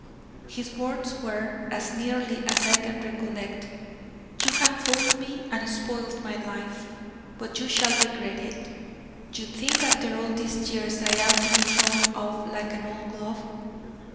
His words were, as nearly as I can recollect, 'You have fooled me and spoilt my life, but you shall regret it. You think after all these years I am to be thrown off like an old glove.